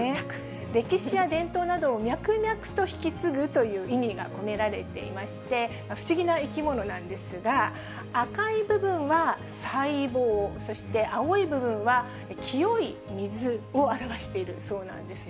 歴史や伝統などを脈々と引き継ぐという意味が込められていまして、不思議な生き物なんですが、赤い部分は細胞、そして青い部分は清い水を表しているそうなんですね。